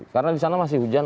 karena di sana masih hujan